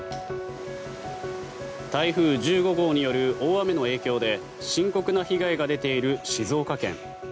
台風１５号による大雨の影響で深刻な被害が出ている静岡県。